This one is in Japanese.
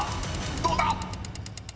［どうだ⁉］